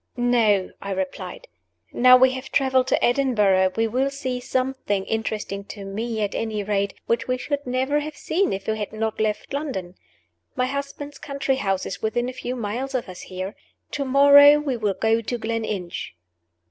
"No," I replied, "now we have traveled to Edinburgh, we will see something (interesting to me at any rate) which we should never have seen if we had not left London. My husband's country house is within a few miles of us here. To morrow we will go to Gleninch."